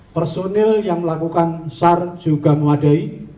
personil yang melakukan sar juga memadai